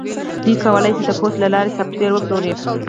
دوی کولی شي د پوست له لارې سافټویر وپلوري